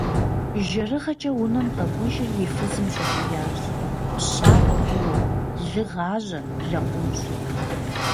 ЖэрыгъэкӀэ унэм къэкӀуэжри и фызым щӀэкӀиящ: - ПщафӀэ фӀыуэ! Лы гъажьэ! Лэкъум щӀы!